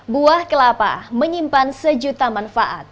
buah kelapa menyimpan sejuta manfaat